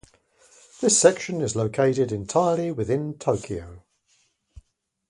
This section is located entirely within Tokyo.